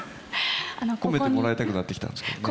褒めてもらいたくなってきたんですけどね。